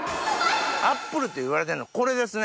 「アップル」っていわれてんのこれですね。